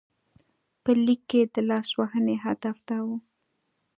په لیک کې د لاسوهنې هدف دا و.